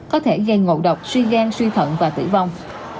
có thể gây ngộ độc suy gan suy thận và tử vong